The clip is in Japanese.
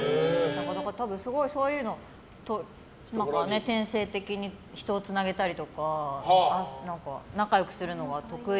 そういうのが天性的に人をつなげたりとか仲良くするのは得意。